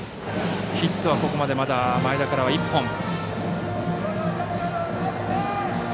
ヒットはここまで前田からは１本。